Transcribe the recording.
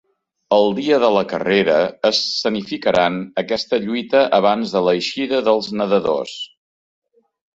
El dia de la carrera escenificaran aquesta lluita abans de l’eixida dels nadadors.